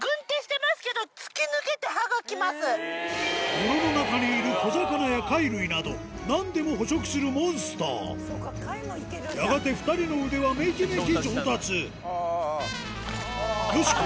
泥の中にいる小魚や貝類など何でも捕食するモンスターやがて２人の腕はめきめき上達よしこ